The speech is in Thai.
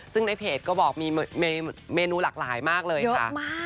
ซึ่งในเพจก็บอกมีเมนูหลากหลายมากเลยค่ะ